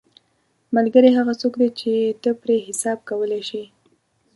ملګری هغه څوک دی چې ته پرې حساب کولی شې